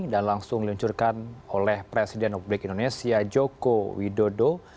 dan langsung diluncurkan oleh presiden republik indonesia joko widodo